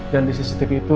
dan di cctv itu